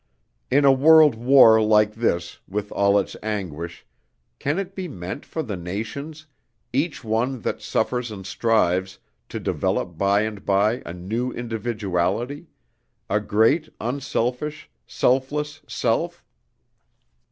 "In a world war like this, with all its anguish, can it be meant for the nations, each one that suffers and strives, to develop by and by a new individuality, a great unselfish, selfless Self?